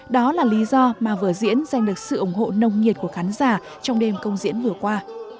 đó là lý do mà vừa diễn dành được sự ủng hộ nông nhiệt của khán giả trong đêm công diễn vừa qua